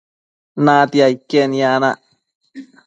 natia iquen yanec